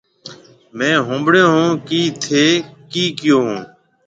ميه هونبڙون هون ڪيَ ٿَي ڪِي ڪَيو هون۔